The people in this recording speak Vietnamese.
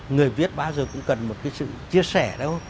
người viết bao giờ cũng cần một cái sự chia sẻ